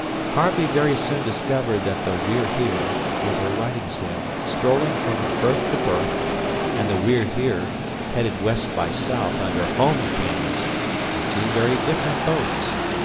Harvey very soon discovered that the We're Here, with her riding sail, strolling from berth to berth, and the We're Here headed west by south under home canvas, were two very different boats.